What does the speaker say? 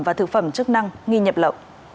và thực phẩm chức năng nghi nhập lộ